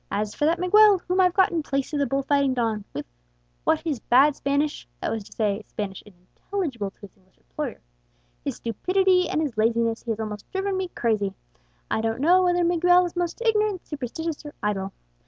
As for that Miguel, whom I've got in place of the bull fighting don, what with his bad Spanish" (that was to say, Spanish unintelligible to his English employer), "his stupidity, and his laziness, he has almost driven me crazy. I don't know whether Miguel is most ignorant, superstitious, or idle.